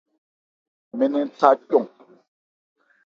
Mɛn nɛn tha cɔ.